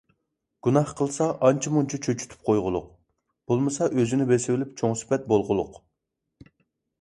گۇناھ قىلسا ئانچە-مۇنچە چۆچۈتۈپ قويغۇلۇق، بولمىسا ئۆزىنى بېسىۋېلىپ چوڭ سۈپەت بولغۇلۇق!